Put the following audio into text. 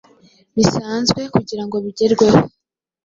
bisanzwe kugirango bigerweho.